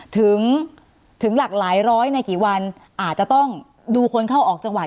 ถึงถึงหลากหลายร้อยในกี่วันอาจจะต้องดูคนเข้าออกจังหวัด